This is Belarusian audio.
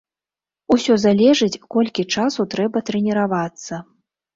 Усё залежыць, колькі часу трэба трэніравацца.